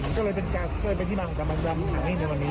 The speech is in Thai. ก็เลยเป็นการเคลื่อนไปที่มันมันจะออกมาให้ในวันนี้